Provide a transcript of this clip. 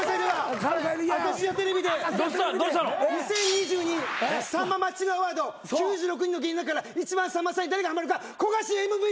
２０２２さんまマッチングアワード９６人の芸人の中から一番さんまさんに誰がはまるか古賀シュウＭＶＰ！